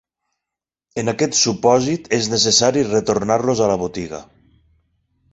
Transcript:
En aquest supòsit és necessari retornar-los a la botiga.